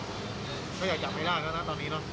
ก็อยากจับไม่ได้แล้วนะตอนนี้เนอะ